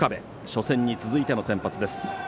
初戦に続いての先発です。